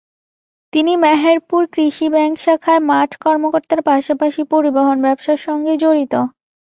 তিনি মেহেরপুর কৃষি ব্যাংক শাখায় মাঠ কর্মকর্তার পাশাপাশি পরিবহন ব্যবসার সঙ্গে জড়িত।